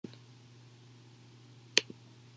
ایا ستاسو موټر جوړ دی؟